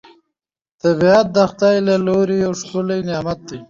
طبیعت د خدای له لوري یو ښکلی نعمت دی